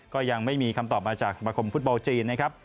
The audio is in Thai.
ก็ยังไม่มีคำตอบมาจากสมคมฟุตบอลจีน